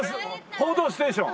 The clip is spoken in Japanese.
『報道ステーション』。